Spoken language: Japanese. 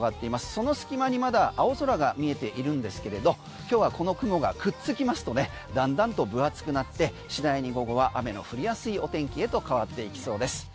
その隙間に、まだ青空が見えているんですけれど今日はこの雲がくっつきますとねだんだんと分厚くなって次第に午後は雨の降りやすいお天気へと変わっていきそうです。